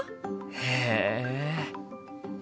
へえ。